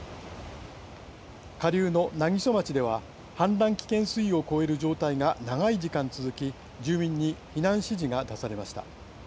下流の南木曽町では氾濫危険水位を超える状態が長い時間続き住民に避難指示が出されました。